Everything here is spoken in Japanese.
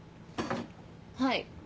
はい。